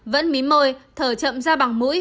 vẫn mím môi thở chậm ra bằng mũi